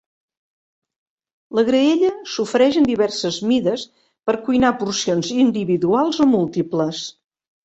La graella s'ofereix en diverses mides per cuinar porcions individuals o múltiples.